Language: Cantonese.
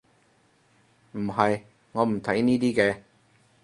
唔係，我唔睇呢啲嘅